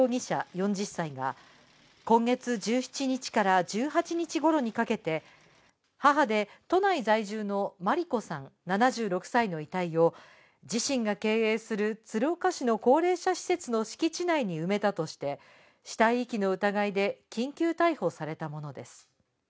４０歳が今月１７日から１８日頃にかけて、母で都内在住の萬里子さん７６歳の遺体を自身が経営する鶴岡市の高齢者施設の敷地内に埋めたとして、死体遺棄の疑いで緊急逮捕されたものです。